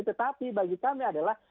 tetapi bagi kami adalah